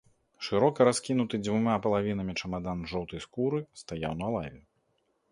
Шырока раскінуты дзвюма палавінамі чамадан з жоўтай скуры стаяў на лаве.